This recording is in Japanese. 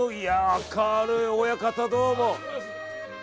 明るい親方、どうも。